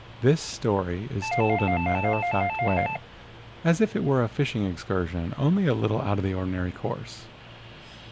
This story is told in a matter of fact way, as if it were a fishing excursion only a little out of the ordinary course.